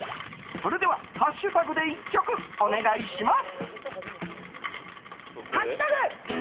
それでは、ハッシュタグで１曲お願いします。